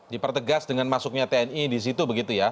dipertegas dengan masuknya tni disitu begitu ya